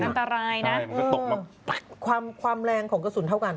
อันตรายนะความความแรงของกระสุนเท่ากัน